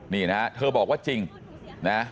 นี่นะเธอบอกว่าจริงนะ